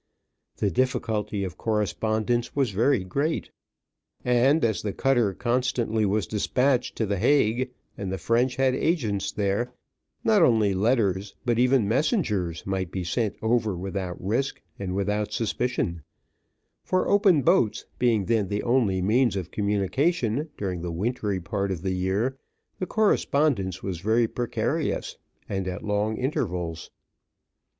The difficulty of correspondence was very great; and as the cutter constantly was despatched to the Hague, and the French had agents there, not only letters, but even messengers, might be sent over without risk and without suspicion; for open boats being then the only means of communication, during the wintry part of the year, the correspondence was very precarious, and at long intervals.